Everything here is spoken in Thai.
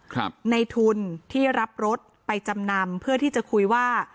ครับในทุนที่รับรถไปจำนำเพื่อที่จะคุยว่า